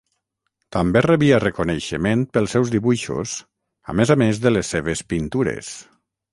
També rebia reconeixement pels seus dibuixos, a més a més de les seves pintures.